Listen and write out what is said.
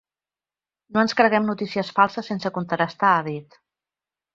No ens creguem notícies falses sense contrastar, ha dit.